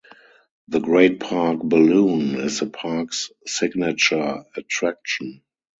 The Great Park Balloon is the park's signature attraction.